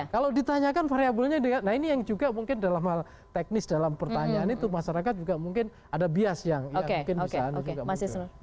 kalau ditanyakan variabelnya nah ini yang juga mungkin dalam hal teknis dalam pertanyaan itu masyarakat juga mungkin ada bias yang mungkin bisa juga